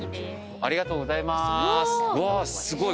ありがとうございます。